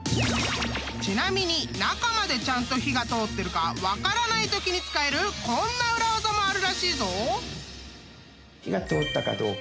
［ちなみに中までちゃんと火が通ってるか分からないときに使えるこんな裏技もあるらしいぞ！］